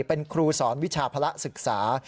เป็นครูสอนวิชาภาระศึกษา